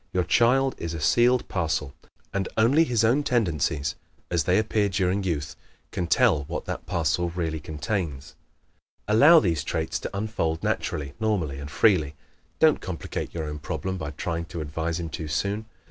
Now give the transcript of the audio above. Your child is a sealed parcel and only his own tendencies, as they appear during youth, can tell what that parcel really contains. Allow these traits to unfold naturally, normally and freely. Don't complicate your own problem by trying to advise him too soon.